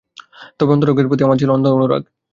তবে অন্তরঙ্গদের প্রতি আমার ছিল অন্ধ অনুরাগ।